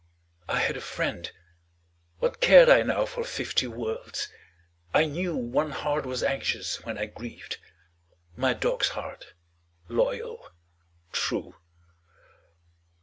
I had a friend; what cared I now For fifty worlds? I knew One heart was anxious when I grieved My dog's heart, loyal, true.